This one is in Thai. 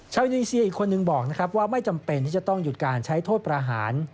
อินโดนีเซียอีกคนนึงบอกนะครับว่าไม่จำเป็นที่จะต้องหยุดการใช้โทษประหาร